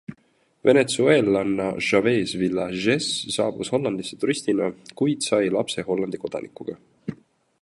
Venezuelalanna Chavez-Vilchez saabus Hollandisse turistina, kuid sai lapse Hollandi kodanikuga.